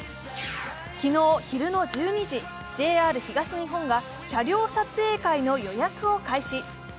昨日、昼の１２時、ＪＲ東日本が車両撮影会の予約を開始。